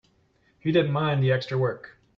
He didn't mind the extra work.